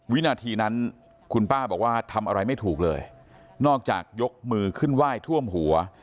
วินาทีนั้นคุณป้าบอกว่าทำอะไรไม่ถูกเลยนอกจากยกมือขึ้นไหว้ท่วมหัว